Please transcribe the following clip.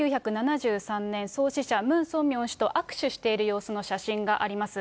１９７３年、創始者、ムン・ソンミョン氏と握手している様子の写真があります。